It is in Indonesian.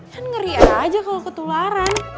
kan ngeri aja kalau ketularan